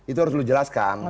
itu harus lu jelaskan